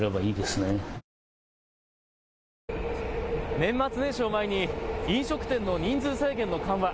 年末年始を前に飲食店の人数制限の緩和。